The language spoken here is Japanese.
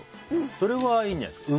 それは、いいんじゃないですか。